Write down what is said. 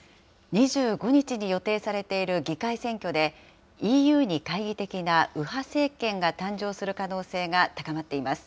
２５日に予定されている議会選挙で、ＥＵに懐疑的な右派政権が誕生する可能性が高まっています。